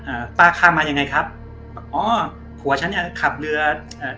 อ่าป้าข้ามมายังไงครับอ๋อผัวฉันเนี้ยขับเรืออ่า